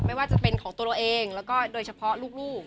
ไม่ว่าจะเป็นของตัวเราเองแล้วก็โดยเฉพาะลูก